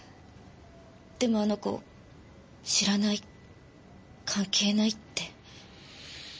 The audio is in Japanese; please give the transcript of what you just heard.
でもあの子知らない関係ないって。